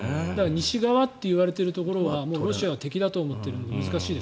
西側って言われているところはロシアは敵だと思ってるので難しい。